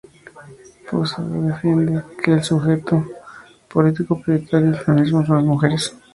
Posada defiende que el sujeto político prioritario del feminismo son las mujeres.